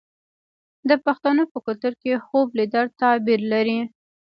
د پښتنو په کلتور کې خوب لیدل تعبیر لري.